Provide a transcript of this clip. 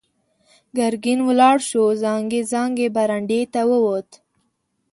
ګرګين ولاړ شو، زانګې وانګې برنډې ته ووت.